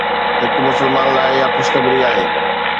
هڪ مسلمان لاءِ اها خوشخبري آهي.